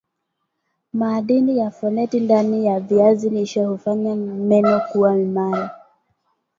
madii ya foleti ndani ya viazi lishe hufanya meno kuwa imara